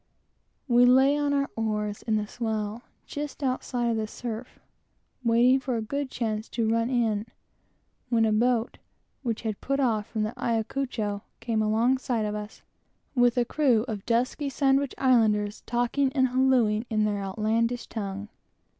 We lay on our oars in the swell, just outside of the surf, waiting for a good chance to run in, when a boat, which had put off from the Ayacucho just after us, came alongside of us, with a crew of dusky Sandwich Islanders, talking and halooing in their outlandish tongue.